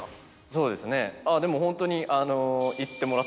そうですねでもホントに。